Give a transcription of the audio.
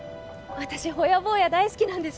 私ホヤぼーや大好きなんです